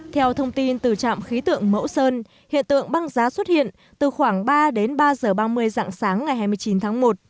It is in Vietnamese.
theo thông tin từ trạm khí tượng mẫu sơn hiện tượng băng giá xuất hiện từ khoảng ba đến ba h ba mươi dạng sáng ngày hai mươi chín tháng một